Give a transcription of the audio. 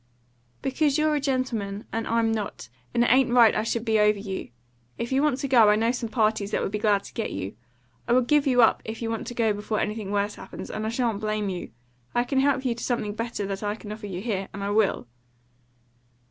"Because you're a gentleman, and I'm not, and it ain't right I should be over you. If you want to go, I know some parties that would be glad to get you. I will give you up if you want to go before anything worse happens, and I shan't blame you. I can help you to something better than I can offer you here, and I will."